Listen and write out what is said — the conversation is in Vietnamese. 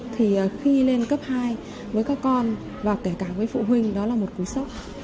thì khi lên cấp hai với các con và kể cả với phụ huynh đó là một cú sốc